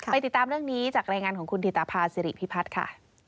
ติดตามเรื่องนี้จากรายงานของคุณธิตภาษิริพิพัฒน์ค่ะ